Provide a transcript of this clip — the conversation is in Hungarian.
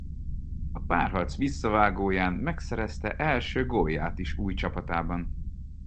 A párharc visszavágóján megszerezte első gólját is új csapatában.